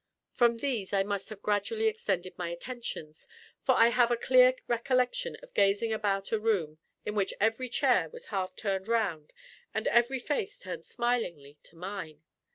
From these I must have gradually extended my attentions; for I have a clear recollection of gazing about a room in which every chair was half turned round and every face turned smilingly to mine.